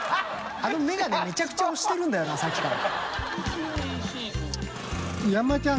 あのメガネめちゃくちゃ推してるんだよなさっきから。